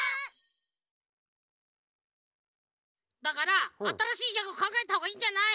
だからあたらしいギャグかんがえたほうがいいんじゃない？